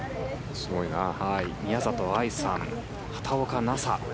宮里藍さん、畑岡奈紗。